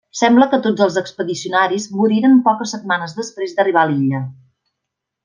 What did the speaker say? Sembla que tots els expedicionaris moriren poques setmanes després d'arribar a l'illa.